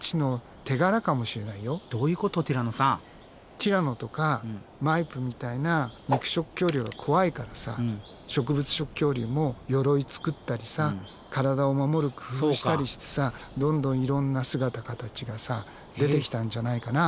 ティラノとかマイプみたいな肉食恐竜が怖いからさ植物食恐竜も鎧作ったりさ体を守る工夫したりしてさどんどんいろんな姿形がさ出てきたんじゃないかな。